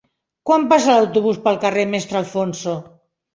Quan passa l'autobús pel carrer Mestre Alfonso?